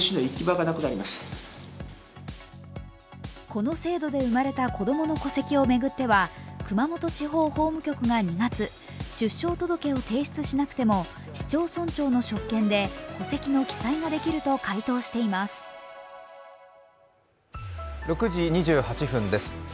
この制度で生まれた子供の戸籍を巡っては熊本地方法務局が２月、出生届を提出しなくても市町村長の職権で戸籍の記載ができると回答しています。